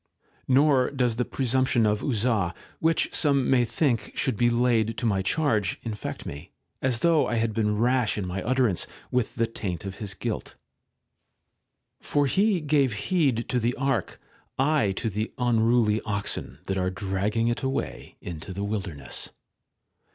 N Nor does the presumption of Uzzah, which some may tnink should be laid to my charge, infect me, as though I had been rash in my utterance, with the EPISTOLA VIII 145 taint of his guilt. For he gave heed to the Ark, I to the unruly oxen that are dragging it away into the wilderness.